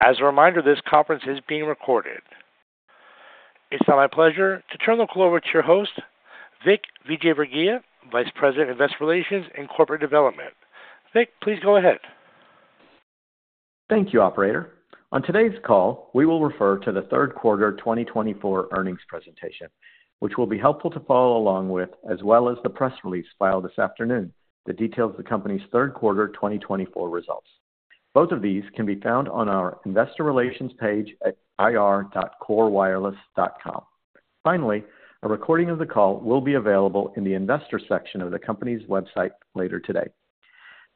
As a reminder, this conference is being recorded. It's now my pleasure to turn the call over to your host, Vik Vijayvergiya, Vice President of Investor Relations and Corporate Development. Vik, please go ahead. Thank you, Operator. On today's call, we will refer to the Third Quarter 2024 Earnings Presentation, which will be helpful to follow along with, as well as the press release filed this afternoon that details the company's third quarter 2024 results. Both of these can be found on our Investor Relations page at ir.korewireless.com. Finally, a recording of the call will be available in the Investor section of the company's website later today.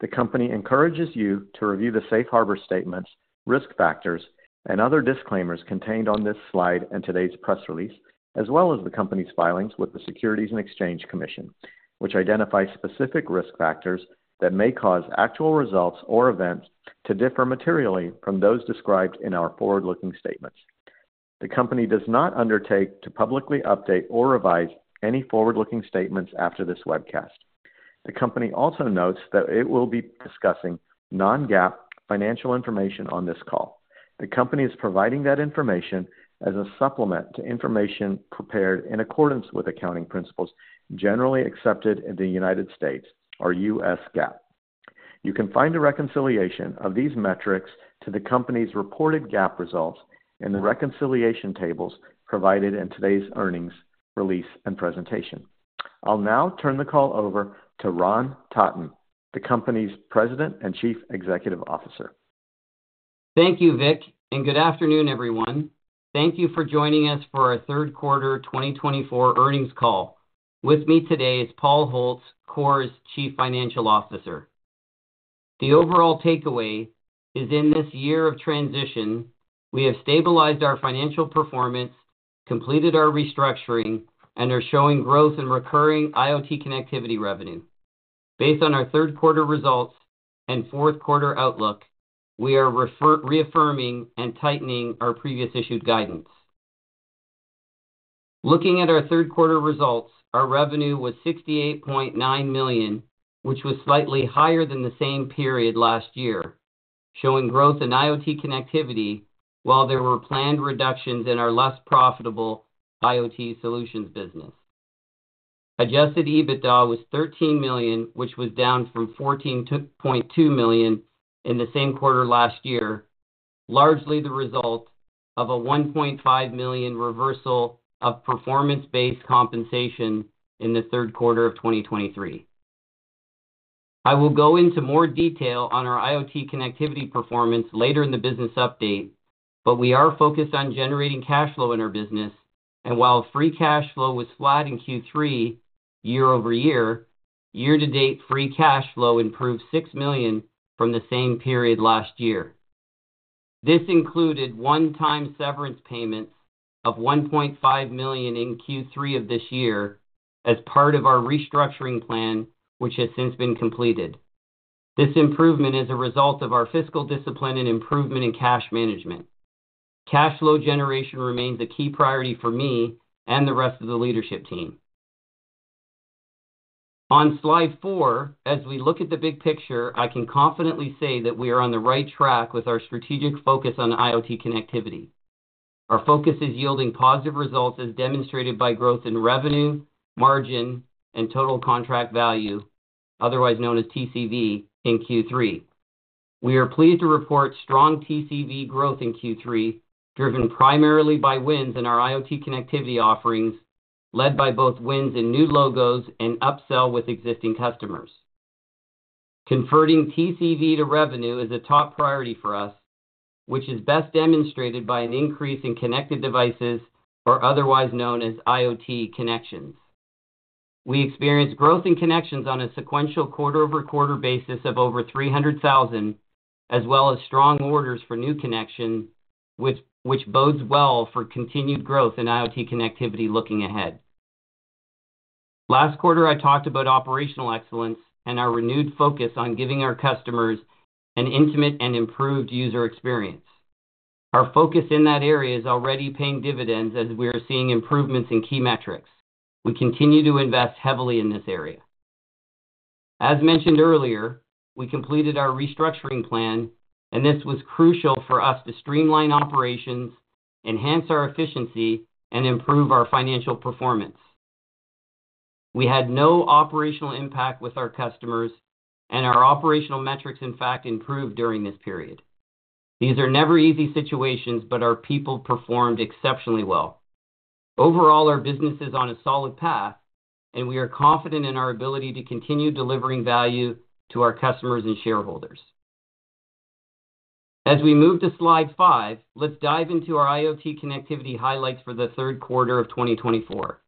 The company encourages you to review the safe harbor statements, risk factors, and other disclaimers contained on this slide and today's press release, as well as the company's filings with the Securities and Exchange Commission, which identify specific risk factors that may cause actual results or events to differ materially from those described in our forward-looking statements. The company does not undertake to publicly update or revise any forward-looking statements after this webcast. The company also notes that it will be discussing non-GAAP financial information on this call. The company is providing that information as a supplement to information prepared in accordance with accounting principles generally accepted in the United States, or U.S. GAAP. You can find a reconciliation of these metrics to the company's reported GAAP results in the reconciliation tables provided in today's earnings release and presentation. I'll now turn the call over to Ron Totton, the company's President and Chief Executive Officer. Thank you, Vik, and good afternoon, everyone. Thank you for joining us for our Third Quarter 2024 Earnings Call. With me today is Paul Holtz, KORE's Chief Financial Officer. The overall takeaway is, in this year of transition, we have stabilized our financial performance, completed our restructuring, and are showing growth in recurring IoT connectivity revenue. Based on our third quarter results and fourth quarter outlook, we are reaffirming and tightening our previous issued guidance. Looking at our third quarter results, our revenue was $68.9 million, which was slightly higher than the same period last year, showing growth in IoT connectivity while there were planned reductions in our less profitable IoT solutions business. Adjusted EBITDA was $13 million, which was down from $14.2 million in the same quarter last year, largely the result of a $1.5 million reversal of performance-based compensation in the third quarter of 2023. I will go into more detail on our IoT connectivity performance later in the business update, but we are focused on generating cash flow in our business, and while free cash flow was flat in Q3 year-over-year, year-to-date free cash flow improved $6 million from the same period last year. This included one-time severance payments of $1.5 million in Q3 of this year as part of our restructuring plan, which has since been completed. This improvement is a result of our fiscal discipline and improvement in cash management. Cash flow generation remains a key priority for me and the rest of the leadership team. On Slide 4, as we look at the big picture, I can confidently say that we are on the right track with our strategic focus on IoT connectivity. Our focus is yielding positive results, as demonstrated by growth in revenue, margin, and total contract value, otherwise known as TCV, in Q3. We are pleased to report strong TCV growth in Q3, driven primarily by wins in our IoT connectivity offerings, led by both wins in new logos and upsell with existing customers. Converting TCV to revenue is a top priority for us, which is best demonstrated by an increase in connected devices, or otherwise known as IoT connections. We experienced growth in connections on a sequential quarter-over-quarter basis of over 300,000, as well as strong orders for new connection, which bodes well for continued growth in IoT connectivity looking ahead. Last quarter, I talked about operational excellence and our renewed focus on giving our customers an intimate and improved user experience. Our focus in that area is already paying dividends, as we are seeing improvements in key metrics. We continue to invest heavily in this area. As mentioned earlier, we completed our restructuring plan, and this was crucial for us to streamline operations, enhance our efficiency, and improve our financial performance. We had no operational impact with our customers, and our operational metrics, in fact, improved during this period. These are never easy situations, but our people performed exceptionally well. Overall, our business is on a solid path, and we are confident in our ability to continue delivering value to our customers and shareholders. As we move to Slide 5, let's dive into our IoT connectivity highlights for the third quarter of 2024.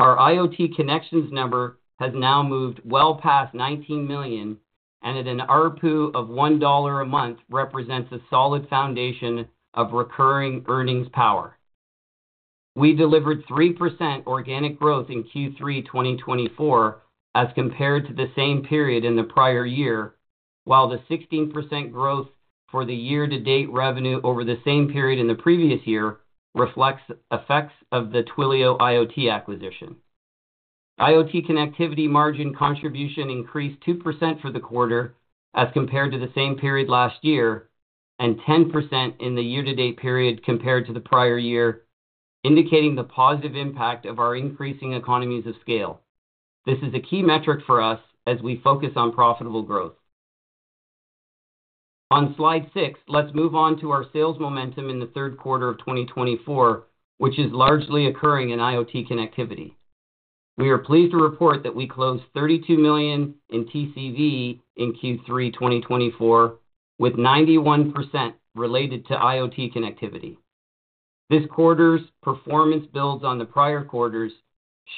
Our IoT connections number has now moved well past 19 million, and at an ARPU of $1 a month, it represents a solid foundation of recurring earnings power. We delivered 3% organic growth in Q3 2024 as compared to the same period in the prior year, while the 16% growth for the year-to-date revenue over the same period in the previous year reflects effects of the Twilio IoT acquisition. IoT connectivity margin contribution increased 2% for the quarter as compared to the same period last year and 10% in the year-to-date period compared to the prior year, indicating the positive impact of our increasing economies of scale. This is a key metric for us as we focus on profitable growth. On Slide 6, let's move on to our sales momentum in the third quarter of 2024, which is largely occurring in IoT connectivity. We are pleased to report that we closed $32 million in TCV in Q3 2024, with 91% related to IoT connectivity. This quarter's performance builds on the prior quarters,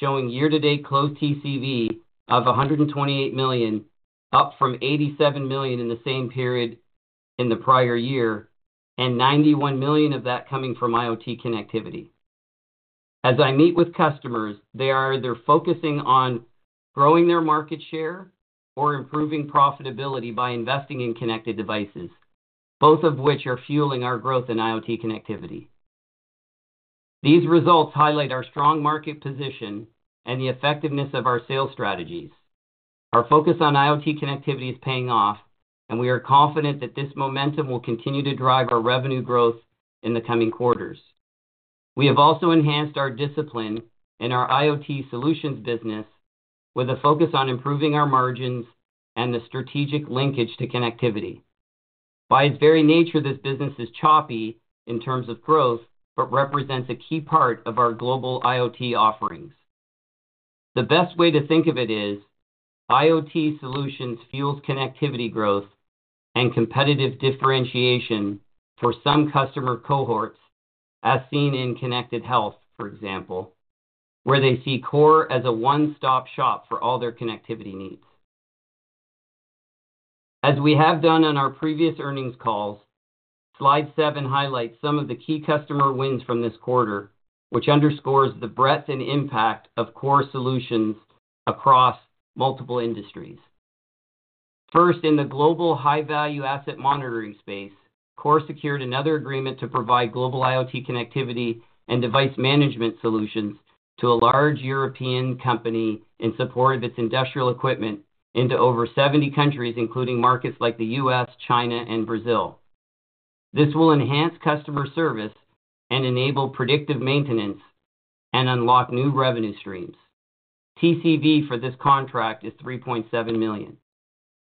showing year-to-date closed TCV of $128 million, up from $87 million in the same period in the prior year, and $91 million of that coming from IoT connectivity. As I meet with customers, they are either focusing on growing their market share or improving profitability by investing in connected devices, both of which are fueling our growth in IoT connectivity. These results highlight our strong market position and the effectiveness of our sales strategies. Our focus on IoT connectivity is paying off, and we are confident that this momentum will continue to drive our revenue growth in the coming quarters. We have also enhanced our discipline in our IoT solutions business with a focus on improving our margins and the strategic linkage to connectivity. By its very nature, this business is choppy in terms of growth but represents a key part of our global IoT offerings. The best way to think of it is IoT solutions fuel connectivity growth and competitive differentiation for some customer cohorts, as seen in Connected Health, for example, where they see KORE as a one-stop shop for all their connectivity needs. As we have done on our previous earnings calls, Slide 7 highlights some of the key customer wins from this quarter, which underscores the breadth and impact of KORE solutions across multiple industries. First, in the global high-value asset monitoring space, KORE secured another agreement to provide global IoT connectivity and device management solutions to a large European company in support of its industrial equipment into over 70 countries, including markets like the U.S., China, and Brazil. This will enhance customer service and enable predictive maintenance and unlock new revenue streams. TCV for this contract is $3.7 million.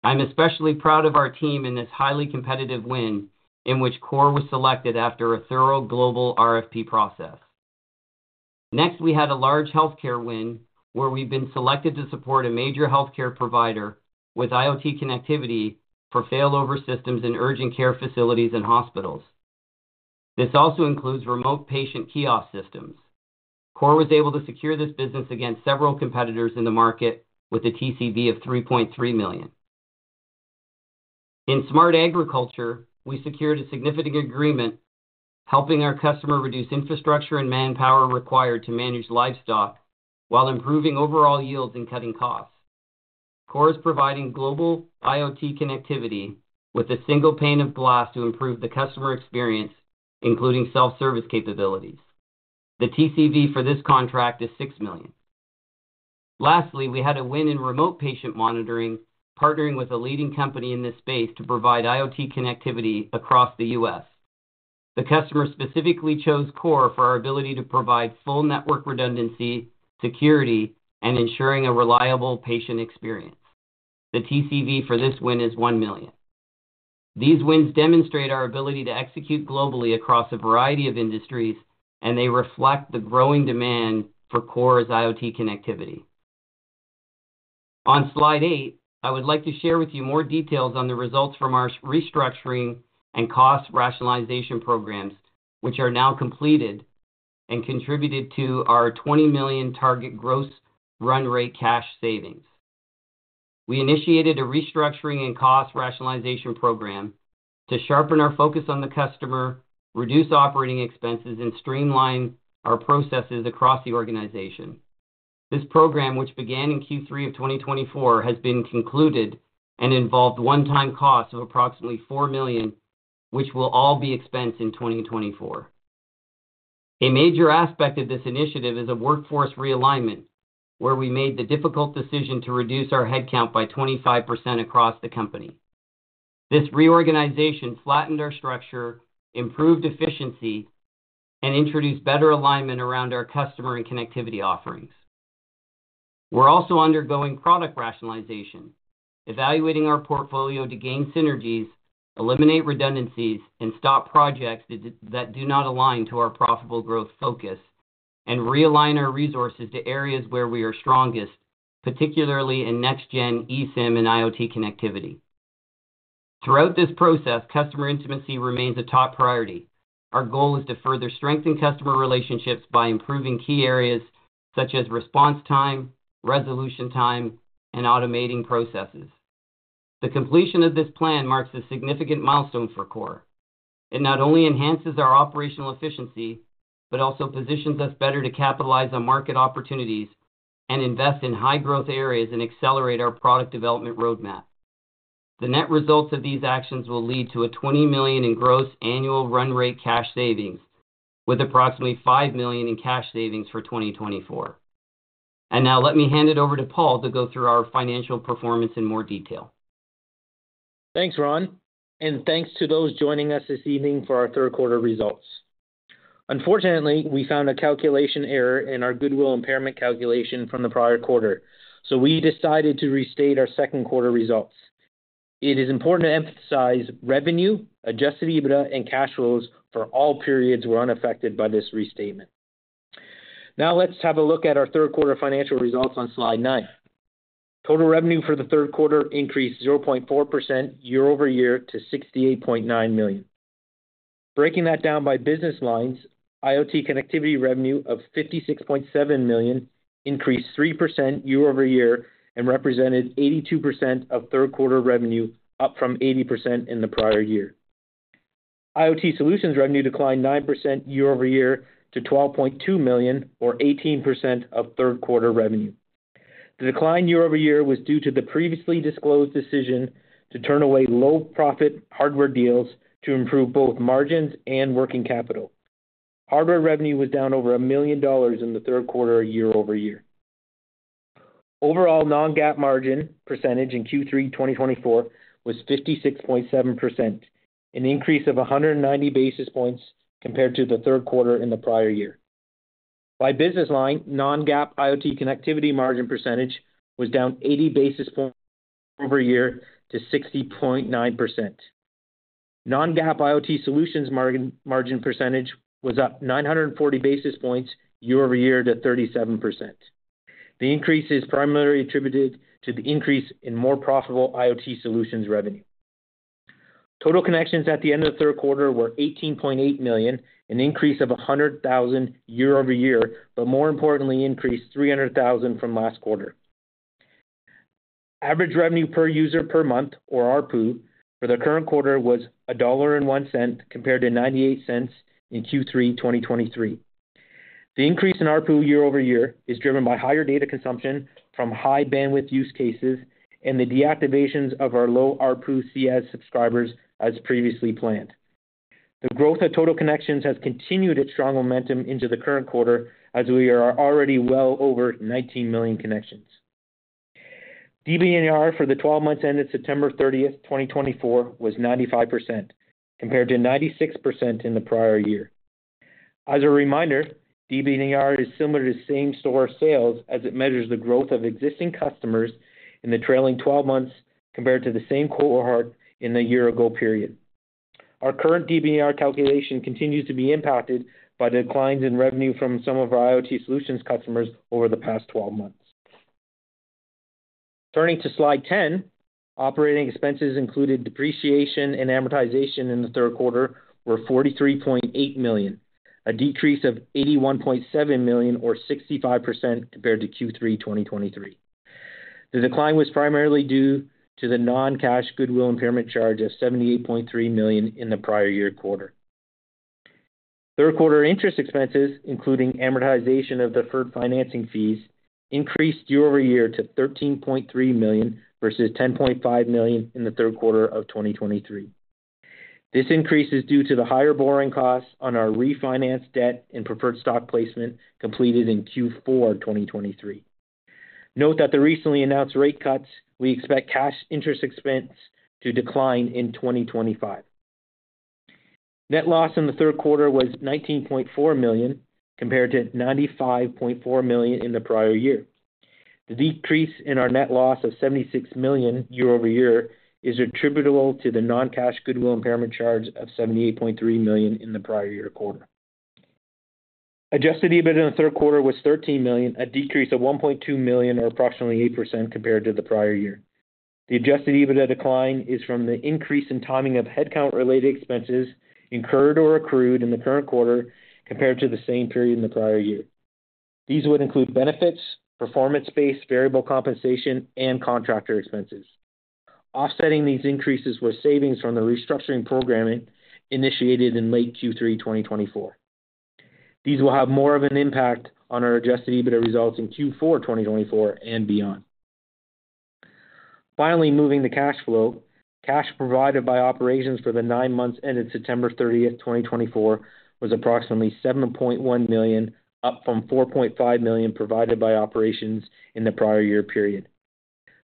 I'm especially proud of our team in this highly competitive win in which KORE was selected after a thorough global RFP process. Next, we had a large healthcare win where we've been selected to support a major healthcare provider with IoT connectivity for failover systems in urgent care facilities and hospitals. This also includes remote patient kiosk systems. KORE was able to secure this business against several competitors in the market with a TCV of $3.3 million. In smart agriculture, we secured a significant agreement, helping our customer reduce infrastructure and manpower required to manage livestock while improving overall yields and cutting costs. KORE is providing global IoT connectivity with a single pane of glass to improve the customer experience, including self-service capabilities. The TCV for this contract is $6 million. Lastly, we had a win in remote patient monitoring, partnering with a leading company in this space to provide IoT connectivity across the US. The customer specifically chose KORE for our ability to provide full network redundancy, security, and ensuring a reliable patient experience. The TCV for this win is $1 million. These wins demonstrate our ability to execute globally across a variety of industries, and they reflect the growing demand for KORE's IoT connectivity. On Slide 8, I would like to share with you more details on the results from our restructuring and cost rationalization programs, which are now completed and contributed to our $20 million target gross run rate cash savings. We initiated a restructuring and cost rationalization program to sharpen our focus on the customer, reduce operating expenses, and streamline our processes across the organization. This program, which began in Q3 of 2024, has been concluded and involved one-time costs of approximately $4 million, which will all be expensed in 2024. A major aspect of this initiative is a workforce realignment, where we made the difficult decision to reduce our headcount by 25% across the company. This reorganization flattened our structure, improved efficiency, and introduced better alignment around our customer and connectivity offerings. We're also undergoing product rationalization, evaluating our portfolio to gain synergies, eliminate redundancies, and stop projects that do not align to our profitable growth focus, and realign our resources to areas where we are strongest, particularly in next-gen eSIM and IoT connectivity. Throughout this process, customer intimacy remains a top priority. Our goal is to further strengthen customer relationships by improving key areas such as response time, resolution time, and automating processes. The completion of this plan marks a significant milestone for KORE. It not only enhances our operational efficiency but also positions us better to capitalize on market opportunities and invest in high-growth areas and accelerate our product development roadmap. The net results of these actions will lead to $20 million in gross annual run rate cash savings, with approximately $5 million in cash savings for 2024. Now let me hand it over to Paul to go through our financial performance in more detail. Thanks, Ron. Thanks to those joining us this evening for our third quarter results. Unfortunately, we found a calculation error in our goodwill impairment calculation from the prior quarter, so we decided to restate our second quarter results. It is important to emphasize revenue, Adjusted EBITDA, and cash flows for all periods were unaffected by this restatement. Now let's have a look at our third quarter financial results on Slide 9 Total revenue for the third quarter increased 0.4% year-over-year to $68.9 million. Breaking that down by business lines, IoT connectivity revenue of $56.7 million increased 3% year-over-year and represented 82% of third quarter revenue, up from 80% in the prior year. IoT solutions revenue declined 9% year-over-year to $12.2 million, or 18% of third quarter revenue. The decline year-over-year was due to the previously disclosed decision to turn away low-profit hardware deals to improve both margins and working capital. Hardware revenue was down over $1 million in the third quarter year-over-year. Overall, non-GAAP margin percentage in Q3 2024 was 56.7%, an increase of 190 basis points compared to the third quarter in the prior year. By business line, non-GAAP IoT connectivity margin percentage was down 80 basis points over year to 60.9%. Non-GAAP IoT solutions margin percentage was up 940 basis points year-over-year to 37%. The increase is primarily attributed to the increase in more profitable IoT solutions revenue. Total connections at the end of the third quarter were 18.8 million, an increase of 100,000 year-over-year, but more importantly, an increase of 300,000 from last quarter. Average revenue per user per month, or ARPU, for the current quarter was $1.01 compared to $0.98 in Q3 2023. The increase in ARPU year-over-year is driven by higher data consumption from high bandwidth use cases and the deactivations of our low ARPU CS subscribers as previously planned. The growth of total connections has continued its strong momentum into the current quarter as we are already well over 19 million connections. DBNR for the 12 months ended September 30, 2024, was 95% compared to 96% in the prior year. As a reminder, DBNR is similar to same-store sales as it measures the growth of existing customers in the trailing 12 months compared to the same cohort in the year-ago period. Our current DBNR calculation continues to be impacted by declines in revenue from some of our IoT solutions customers over the past 12 months. Turning to Slide 10, operating expenses, included depreciation and amortization, in the third quarter were $43.8 million, a decrease of $81.7 million, or 65% compared to Q3 2023. The decline was primarily due to the non-cash goodwill impairment charge of $78.3 million in the prior year quarter. Third quarter interest expenses, including amortization of deferred financing fees, increased year-over-year to $13.3 million versus $10.5 million in the third quarter of 2023. This increase is due to the higher borrowing costs on our refinanced debt and preferred stock placement completed in Q4 2023. Note that the recently announced rate cuts. We expect cash interest expense to decline in 2025. Net loss in the third quarter was $19.4 million compared to $95.4 million in the prior year. The decrease in our net loss of $76 million year-over-year is attributable to the non-cash goodwill impairment charge of $78.3 million in the prior year quarter. Adjusted EBITDA in the third quarter was $13 million, a decrease of $1.2 million, or approximately 8% compared to the prior year. The Adjusted EBITDA decline is from the increase in timing of headcount-related expenses incurred or accrued in the current quarter compared to the same period in the prior year. These would include benefits, performance-based variable compensation, and contractor expenses. Offsetting these increases were savings from the restructuring program initiated in late Q3 2024. These will have more of an impact on our Adjusted EBITDA results in Q4 2024 and beyond. Finally, moving to cash flow, cash provided by operations for the nine months ended September 30th, 2024, was approximately $7.1 million, up from $4.5 million provided by operations in the prior year period.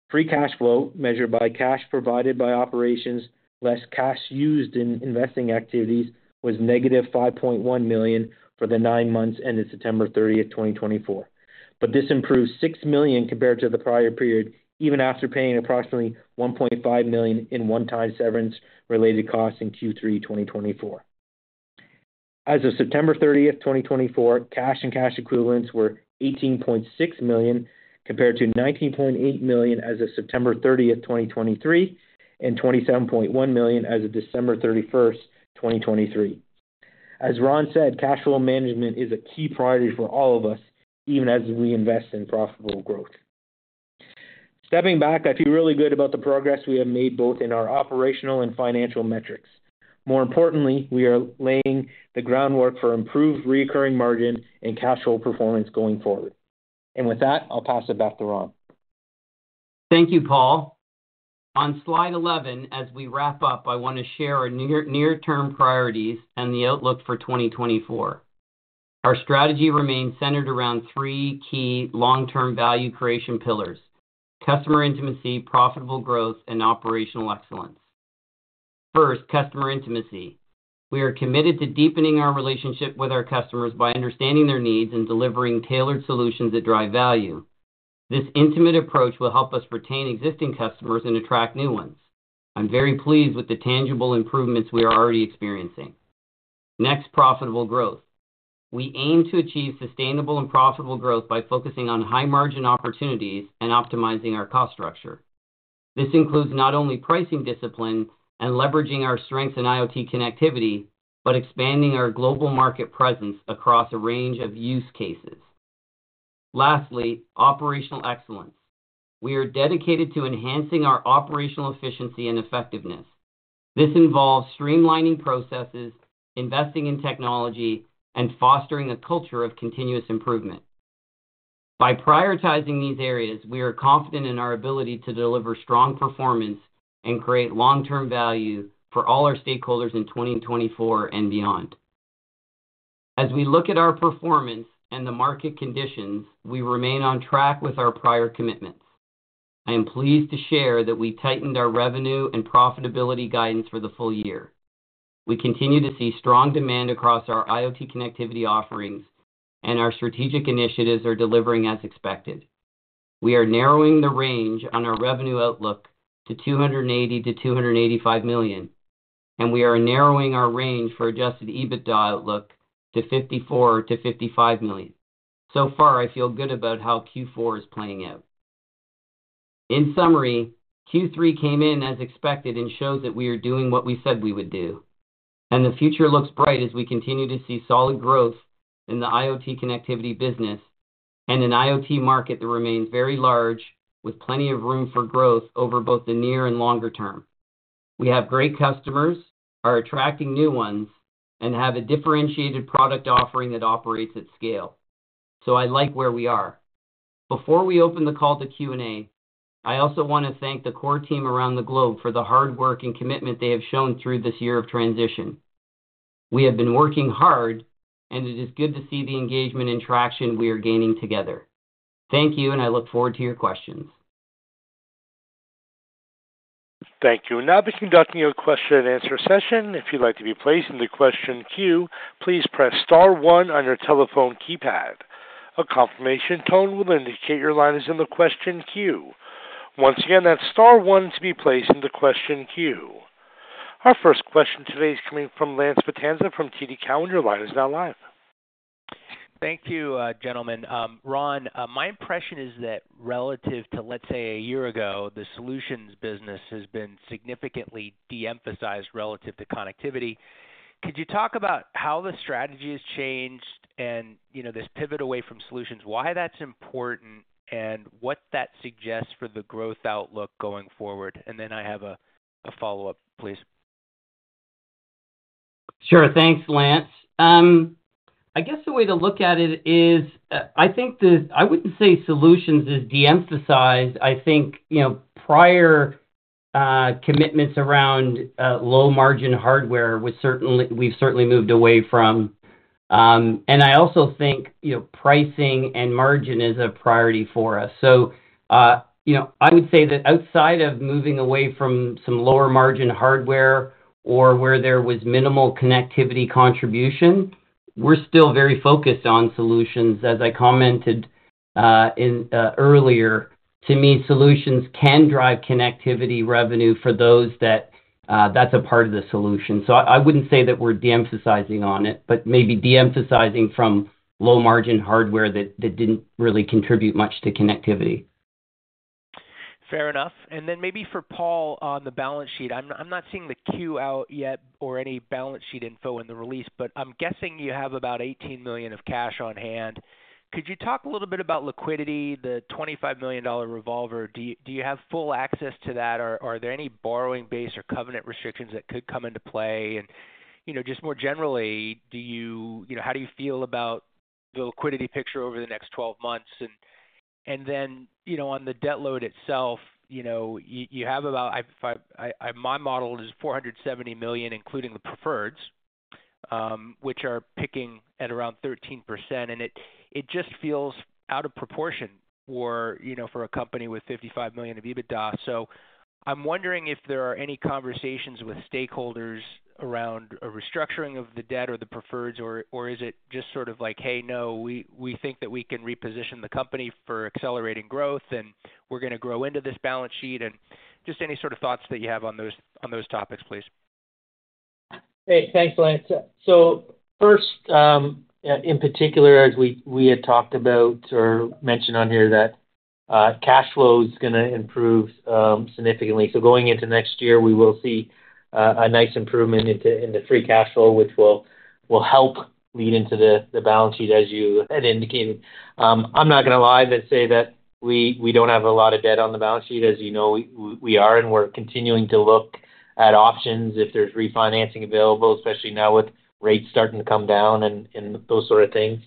Free cash flow measured by cash provided by operations less cash used in investing activities was negative $5.1 million for the nine months ended September 30th, 2024. But this improved $6 million compared to the prior period, even after paying approximately $1.5 million in one-time severance-related costs in Q3 2024. As of September 30th, 2024, cash and cash equivalents were $18.6 million compared to $19.8 million as of September 30th, 2023, and $27.1 million as of December 31st, 2023. As Ron said, cash flow management is a key priority for all of us, even as we invest in profitable growth. Stepping back, I feel really good about the progress we have made both in our operational and financial metrics. More importantly, we are laying the groundwork for improved recurring margin and cash flow performance going forward. And with that, I'll pass it back to Ron. Thank you, Paul. On Slide 11, as we wrap up, I want to share our near-term priorities and the outlook for 2024. Our strategy remains centered around three key long-term value creation pillars: customer intimacy, profitable growth, and operational excellence. First, customer intimacy. We are committed to deepening our relationship with our customers by understanding their needs and delivering tailored solutions that drive value. This intimate approach will help us retain existing customers and attract new ones. I'm very pleased with the tangible improvements we are already experiencing. Next, profitable growth. We aim to achieve sustainable and profitable growth by focusing on high-margin opportunities and optimizing our cost structure. This includes not only pricing discipline and leveraging our strengths in IoT connectivity, but expanding our global market presence across a range of use cases. Lastly, operational excellence. We are dedicated to enhancing our operational efficiency and effectiveness. This involves streamlining processes, investing in technology, and fostering a culture of continuous improvement. By prioritizing these areas, we are confident in our ability to deliver strong performance and create long-term value for all our stakeholders in 2024 and beyond. As we look at our performance and the market conditions, we remain on track with our prior commitments. I am pleased to share that we tightened our revenue and profitability guidance for the full year. We continue to see strong demand across our IoT connectivity offerings, and our strategic initiatives are delivering as expected. We are narrowing the range on our revenue outlook to $280 million-$285 million, and we are narrowing our range for Adjusted EBITDA outlook to $54 million-$55 million. So far, I feel good about how Q4 is playing out. In summary, Q3 came in as expected and shows that we are doing what we said we would do. And the future looks bright as we continue to see solid growth in the IoT connectivity business and an IoT market that remains very large, with plenty of room for growth over both the near and longer term. We have great customers, are attracting new ones, and have a differentiated product offering that operates at scale. So I like where we are. Before we open the call to Q&A, I also want to thank the KORE team around the globe for the hard work and commitment they have shown through this year of transition. We have been working hard, and it is good to see the engagement and traction we are gaining together. Thank you, and I look forward to your questions. Thank you. Now, begin documenting your question-and-answer session. If you'd like to be placed in the question queue, please press star one on your telephone keypad. A confirmation tone will indicate your line is in the question queue. Once again, that's star one to be placed in the question queue. Our first question today is coming from Lance Vitanza from TD Cowen. Line is now live. Thank you, gentlemen. Ron, my impression is that relative to, let's say, a year ago, the solutions business has been significantly de-emphasized relative to connectivity. Could you talk about how the strategy has changed and this pivot away from solutions, why that's important, and what that suggests for the growth outlook going forward? And then I have a follow-up, please. Sure. Thanks, Lance. I guess the way to look at it is I think I wouldn't say solutions is de-emphasized. I think prior commitments around low-margin hardware we've certainly moved away from. And I also think pricing and margin is a priority for us. So I would say that outside of moving away from some lower-margin hardware or where there was minimal connectivity contribution, we're still very focused on solutions. As I commented earlier, to me, solutions can drive connectivity revenue for those that's a part of the solution. So I wouldn't say that we're de-emphasizing on it, but maybe de-emphasizing from low-margin hardware that didn't really contribute much to connectivity. Fair enough. And then maybe for Paul on the balance sheet, I'm not seeing the 10-Q out yet or any balance sheet info in the release, but I'm guessing you have about $18 million of cash on hand. Could you talk a little bit about liquidity, the $25 million revolver? Do you have full access to that? Are there any borrowing base or covenant restrictions that could come into play? And just more generally, how do you feel about the liquidity picture over the next 12 months? And then on the debt load itself, you have about, my model is $470 million, including the preferred, which are paying at around 13%. And it just feels out of proportion for a company with $55 million of EBITDA. So I'm wondering if there are any conversations with stakeholders around a restructuring of the debt or the preferred, or is it just sort of like, "Hey, no, we think that we can reposition the company for accelerating growth, and we're going to grow into this balance sheet"? And just any sort of thoughts that you have on those topics, please. Great. Thanks, Lance. So first, in particular, as we had talked about or mentioned on here, that cash flow is going to improve significantly. So going into next year, we will see a nice improvement in the free cash flow, which will help lead into the balance sheet, as you had indicated. I'm not going to lie but say that we don't have a lot of debt on the balance sheet. As you know, we are, and we're continuing to look at options if there's refinancing available, especially now with rates starting to come down and those sort of things.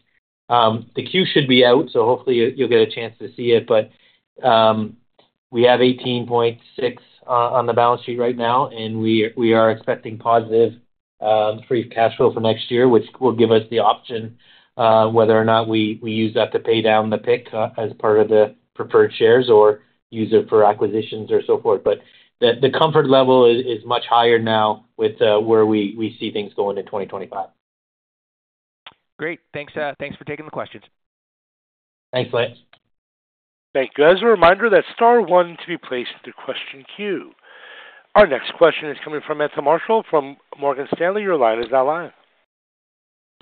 The queue should be out, so hopefully, you'll get a chance to see it. But we have $18.6 million on the balance sheet right now, and we are expecting positive free cash flow for next year, which will give us the option whether or not we use that to pay down the debt as part of the preferred shares or use it for acquisitions or so forth. But the comfort level is much higher now with where we see things going in 2025. Great. Thanks for taking the questions. Thanks, Lance. Thank you. As a reminder, that's star one to be placed in the question queue. Our next question is coming from Meta Marshall from Morgan Stanley. Your line is now live.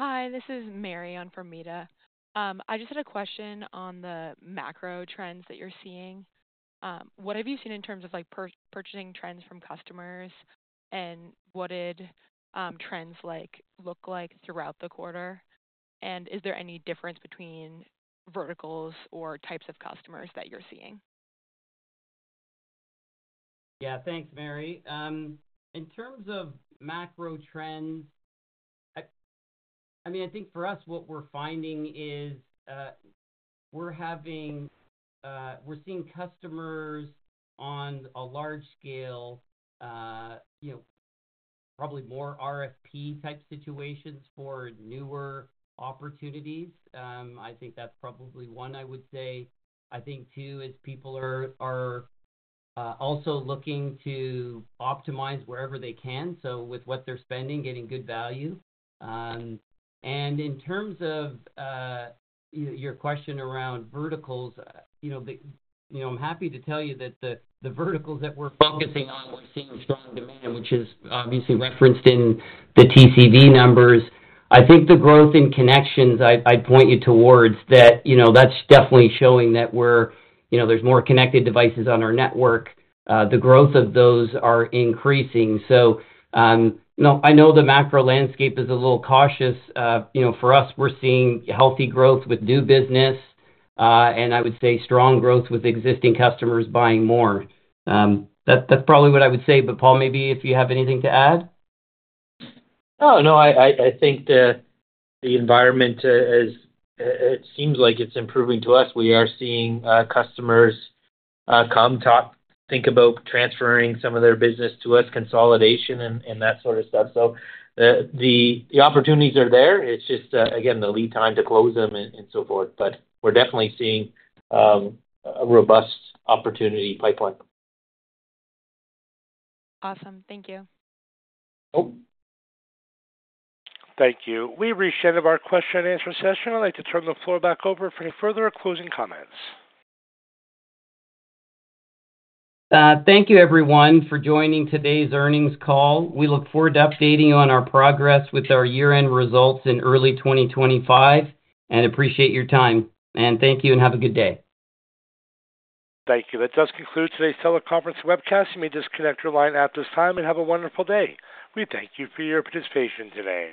Hi. This is Mary from Meta. I just had a question on the macro trends that you're seeing. What have you seen in terms of purchasing trends from customers, and what did trends look like throughout the quarter? And is there any difference between verticals or types of customers that you're seeing? Yeah. Thanks, Mary. In terms of macro trends, I mean, I think for us, what we're finding is we're seeing customers on a large scale, probably more RFP-type situations for newer opportunities. I think that's probably one, I would say. I think, too, is people are also looking to optimize wherever they can, so with what they're spending, getting good value. And in terms of your question around verticals, I'm happy to tell you that the verticals that we're focusing on, we're seeing strong demand, which is obviously referenced in the TCV numbers. I think the growth in connections, I'd point you towards that, that's definitely showing that there's more connected devices on our network. The growth of those is increasing. So I know the macro landscape is a little cautious. For us, we're seeing healthy growth with new business, and I would say strong growth with existing customers buying more. That's probably what I would say. But Paul, maybe if you have anything to add? No, no. I think the environment, it seems like it's improving to us. We are seeing customers come, think about transferring some of their business to us, consolidation, and that sort of stuff. So the opportunities are there. It's just, again, the lead time to close them and so forth. But we're definitely seeing a robust opportunity pipeline. Awesome. Thank you. Oh. Thank you. We've reached the end of our question and answer session. I'd like to turn the floor back over for any further closing comments. Thank you, everyone, for joining today's earnings call. We look forward to updating you on our progress with our year-end results in early 2025, and appreciate your time, and thank you, and have a good day. Thank you. That does conclude today's teleconference webcast. You may disconnect your line at this time and have a wonderful day. We thank you for your participation today.